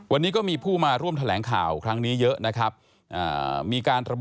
วันนี้ก็มีผู้มาร่วมแถลงข่าวครั้งนี้เยอะนะครับมีการระบุ